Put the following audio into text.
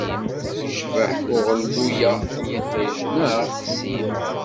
Yecbeḥ uɣelluy-a n yiṭij, neɣ?